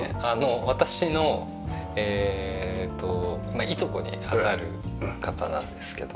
私のいとこに当たる方なんですけども。